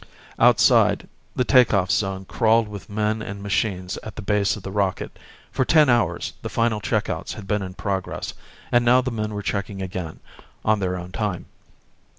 Outside, the take off zone crawled with men and machines at the base of the rocket. For ten hours, the final check outs had been in progress; and now the men were checking again, on their own time.